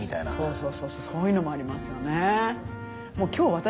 そうそうそうそういうのもありますよね。